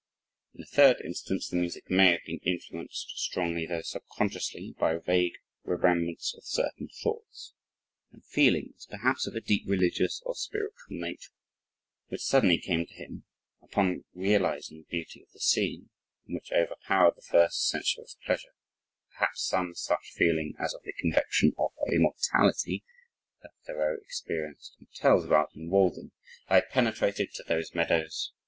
In the third instance, the music may have been influenced strongly though subconsciously by a vague remembrance of certain thoughts and feelings, perhaps of a deep religious or spiritual nature, which suddenly came to him upon realizing the beauty of the scene and which overpowered the first sensuous pleasure perhaps some such feeling as of the conviction of immortality, that Thoreau experienced and tells about in Walden. "I penetrated to those meadows